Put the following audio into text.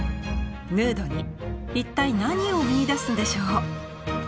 ヌードに一体何を見いだすんでしょう？